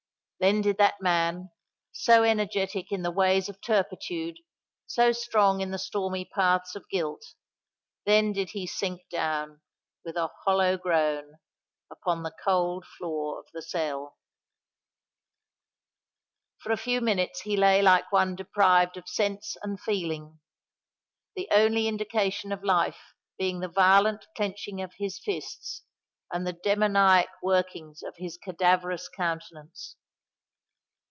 Then did that man—so energetic in the ways of turpitude, so strong in the stormy paths of guilt,—then did he sink down, with a hollow groan, upon the cold floor of the cell. For a few minutes he lay like one deprived of sense and feeling, the only indications of life being the violent clenching of his fists, and the demoniac workings of his cadaverous countenance.